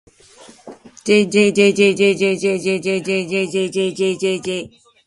jjjjjjjjjjjjjjjjj